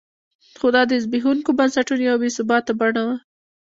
خو دا د زبېښونکو بنسټونو یوه بې ثباته بڼه وه.